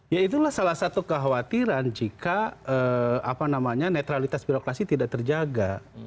ya itulah salah satu kekhawatiran jika netralitas birokrasi tidak terjaga